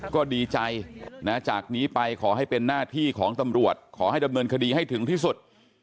ก็ดีใจนะจากนี้ไปขอให้เป็นหน้าที่ของตำรวจขอให้ดำเนินคดีให้ถึงที่สุด